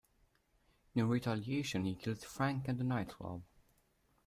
In retaliation, he kills Frank at a night club.